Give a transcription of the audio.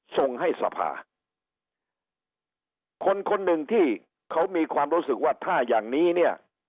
ส่งให้สภาคนคนหนึ่งที่เขามีความรู้สึกว่าถ้าอย่างนี้เนี่ย